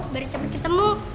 biar cepet ketemu